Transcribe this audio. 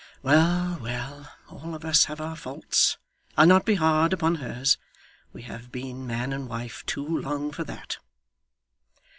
Well, well, all of us have our faults. I'll not be hard upon hers. We have been man and wife too long for that.